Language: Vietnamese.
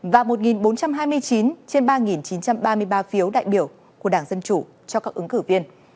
và một bốn trăm hai mươi chín trên ba chín trăm ba mươi ba phiếu đại biểu của đảng dân chủ cho các ứng cử viên